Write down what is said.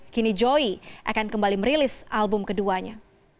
kini joy akan kembali merilis album keduanya